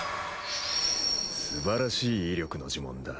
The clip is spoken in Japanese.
すばらしい威力の呪文だ。